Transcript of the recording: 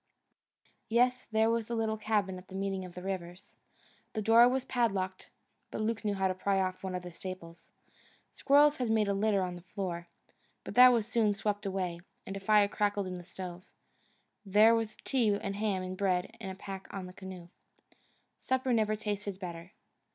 Yes, there was the little cabin at the meeting of the rivers. The door was padlocked, but Luke knew how to pry off one of the staples. Squirrels had made a litter on the floor, but that was soon swept out, and a fire crackled in the stove. There was tea and ham and bread in the pack in the canoe. Supper never tasted better.